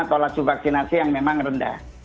tolos vaksinasi yang memang rendah